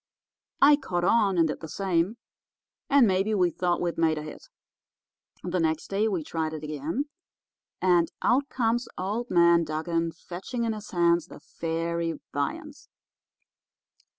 I caught on and did the same, and maybe we thought we'd made a hit! The next day we tried it again, and out comes old man Dugan fetching in his hands the fairy viands.